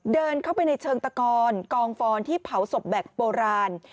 เดินเข้าไปในเชิงตะกอนกองฟอนที่เผาศพแบบโบราณ